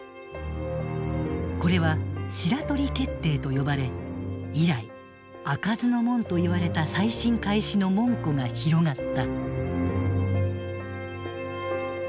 これは「白鳥決定」と呼ばれ以来開かずの門といわれた再審開始の門戸が広がった。